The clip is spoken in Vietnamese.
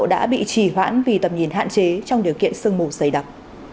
đã bị trì hoãn vì tầm nhìn hạn chế trong điều kiện sương mù dày đặc